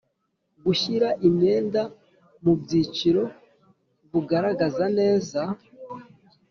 gushyira imyenda mu byiciro bugaragaza neza